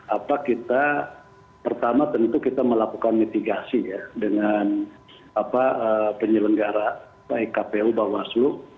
apa kita pertama tentu kita melakukan mitigasi ya dengan penyelenggara baik kpu bawaslu